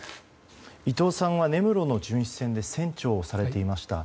伊藤さんは根室の巡視船で船長をされていました。